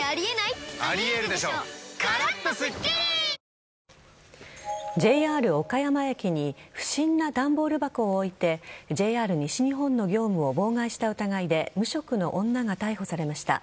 一方、検察側はＪＲ岡山駅に不審な段ボール箱を置いてＪＲ西日本の業務を妨害した疑いで無職の女が逮捕されました。